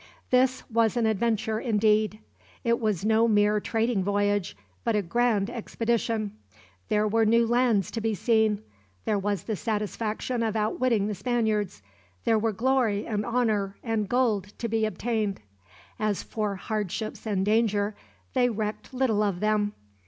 This was an adventure, indeed. It was no mere trading voyage, but a grand expedition. There were new lands to be seen, there was the satisfaction of outwitting the Spaniards, there were glory and honor and gold to be obtained. As for hardships and danger, they recked little of them.